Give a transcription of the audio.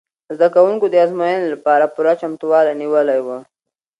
زده کوونکو د ازموینې لپاره پوره چمتووالی نیولی و.